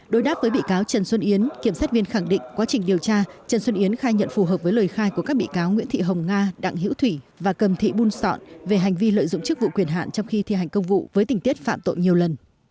đối đáp với bị cáo trần xuân yến kiểm sát viên khẳng định quá trình điều tra trần xuân yến khai nhận phù hợp với lời khai của các bị cáo nguyễn thị hồng nga đặng hiễu thủy và cầm thị buôn sọn về hành vi lợi dụng chức vụ quyền hạn trong khi thi hành công vụ với tình tiết phạm tội nhiều lần